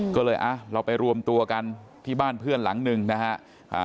ก็เลยอ่ะเราไปรวมตัวกันที่บ้านเพื่อนหลังหนึ่งนะฮะ